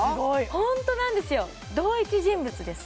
ホントなんですよ同一人物です